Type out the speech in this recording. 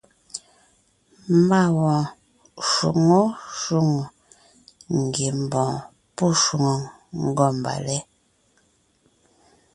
Má wɔɔn shwóŋo shwóŋò ngiembɔɔn pɔ́ shwòŋo ngômbalé.